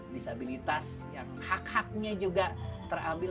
disabilitas yang hak haknya juga terambil